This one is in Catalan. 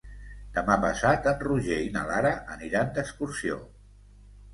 Demà passat en Roger i na Lara aniran d'excursió.